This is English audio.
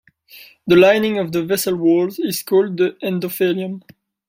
The lining of the vessel walls is called the endothelium.